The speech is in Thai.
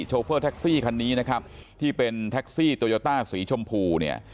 โฟเฟอร์แท็กซี่คันนี้นะครับที่เป็นแท็กซี่โตโยต้าสีชมพูเนี่ย